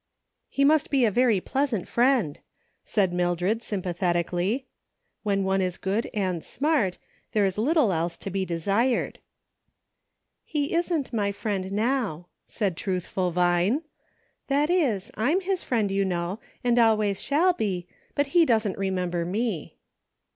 He must be a very pleasant friend," said Mil dred sympathetically. " When one is good and smart, there is little else to be desired." " He isn't my friend now," said truthful Vine ;" that is, I'm his friend, you know, and always shall be ; but he doesn't remember me."